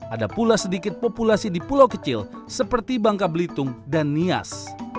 ada pula sedikit populasi di pulau kecil seperti bangka belitung dan nias